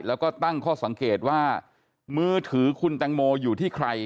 แล้วก็ตั้งข้อสังเกตว่ามือถือคุณแตงโมอยู่ที่ใคร